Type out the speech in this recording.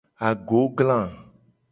Agogla.